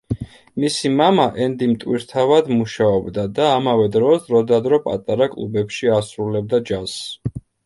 მისი მამა, ენდი მტვირთავად მუშაობდა და ამავე დროს დროდადრო პატარა კლუბებში ასრულებდა ჯაზს.